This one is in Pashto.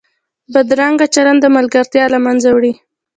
بدرنګه چلند ملګرتیا له منځه وړي